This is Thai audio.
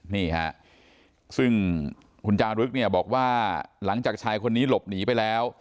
นี่ฮะซึ่งคุณจารึกเนี่ยบอกว่าหลังจากชายคนนี้หลบหนีไปแล้ว